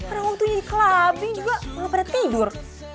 orang waktu nyiklapin juga malah pada tidur